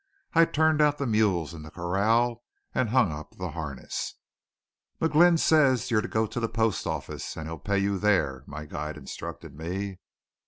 I turned out the mules in the corral and hung up the harness. "McGlynn says you're to go to the post office and he'll pay you there," my guide instructed me.